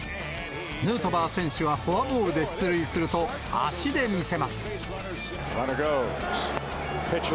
ヌートバー選手はフォアボールで出塁すると、足で見せます。